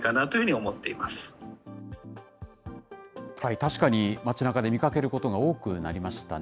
確かに街なかで見かけることが多くなりましたね。